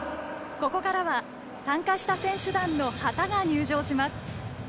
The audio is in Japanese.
ここからは、参加した選手団の旗が入場します。